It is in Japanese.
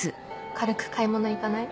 軽く買い物行かない？